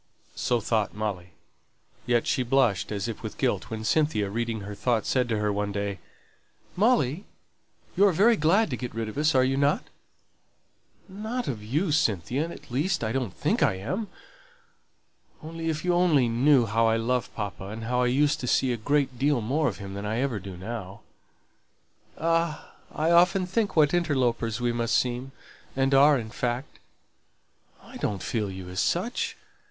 So thought Molly. Yet she blushed, as if with guilt, when Cynthia, reading her thoughts, said to her one day, "Molly, you're very glad to get rid of us, are not you?" "Not of you, Cynthia; at least, I don't think I am. Only, if you but knew how I love papa, and how I used to see a great deal more of him than I ever do now " "Ah! I often think what interlopers we must seem, and are in fact " "I don't feel you as such.